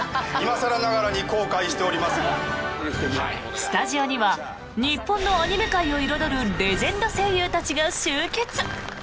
スタジオには日本のアニメ界を彩るレジェンド声優たちが集結！